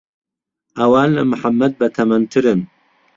ئەوان لە محەممەد بەتەمەنترن.